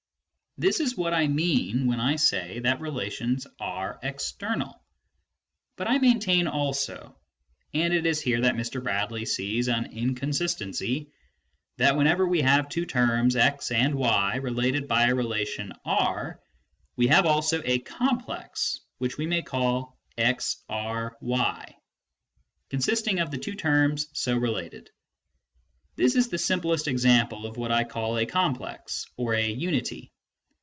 This is what I mean when I say that relations are external. But I maintain also ŌĆö and it is here that Mr. Bradley sees an inconsistency ŌĆö that whenever we have two terms x and y related by a relation R, we have also a complex, which we may call " a; R 7/," consisting of the two terms so related. This is the simplest example of what I call a "complex" or a "unity